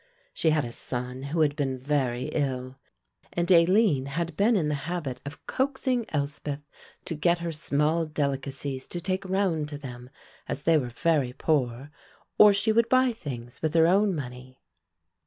She had a son who had been very ill; and Aline had been in the habit of coaxing Elspeth to get her small delicacies to take round to them as they were very poor, or she would buy things with her own money.